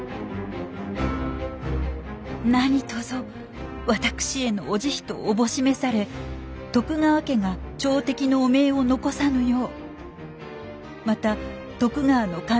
「何とぞわたくしへのお慈悲と思し召され徳川家が朝敵の汚名を残さぬよう」。